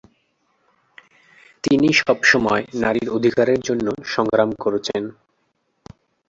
তিনি সবসময় নারীর অধিকারের জন্য সংগ্রাম করেছেন।